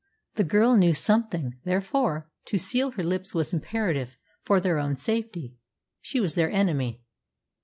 The girl knew something; therefore, to seal her lips was imperative for their own safety. She was their enemy.